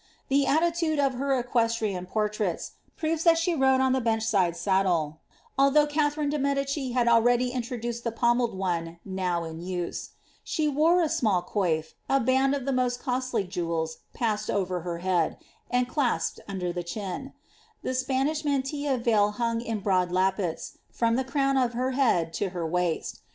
The atti tude of her equestrian portraits proves that she rode on the bench side saddle, although Catherine de Medicis hud already iutrodueed the pom melled one now in use She wore a small coif, a band of the most cixtly jewel" pnssed over her head, and clasped under the chin ; the iipanish mantilla ved hung in broad lappets from the crown eX her head to her waist.